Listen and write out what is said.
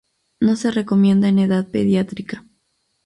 No se recomienda en edad pediátrica.